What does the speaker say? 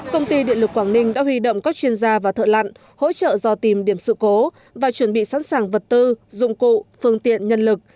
công ty điện lực quảng ninh đã huy động các chuyên gia và thợ lặn hỗ trợ do tìm điểm sự cố và chuẩn bị sẵn sàng vật tư dụng cụ phương tiện nhân lực